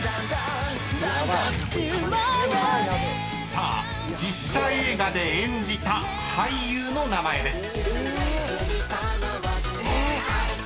［さあ実写映画で演じた俳優の名前です］